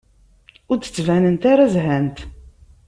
Ur d-ttbanent ara zhant.